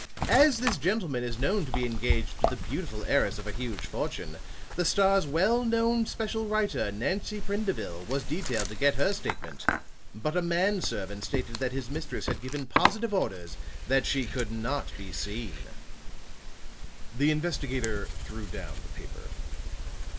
As this gentleman is known to be engaged to the beautiful heiress of a huge fortune, the Star's well known special writer, Nancy Prindeville, was detailed to get her statement. But a man servant stated that his mistress had given positive orders that she could not be seen." The investigator threw down the paper.